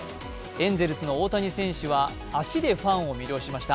エンゼルスの大谷選手は足でファンを魅了しました。